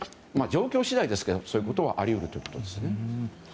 状況次第ですけどそういうことはあり得るということです。